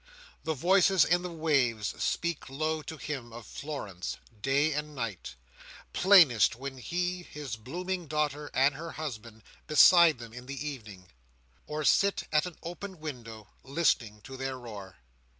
The voices in the waves speak low to him of Florence, day and night—plainest when he, his blooming daughter, and her husband, beside them in the evening, or sit at an open window, listening to their roar.